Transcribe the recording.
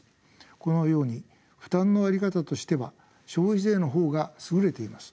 このように負担の在り方としては消費税の方が優れています。